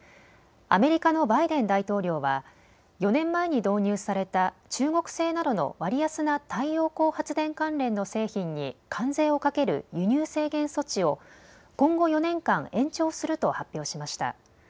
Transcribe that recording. アメリカのバイデン大統領は、４年前に導入された中国製などの割安な太陽光発電関連の製品に関税をかける輸入制限措置を今後４年間、延長すると発表しました。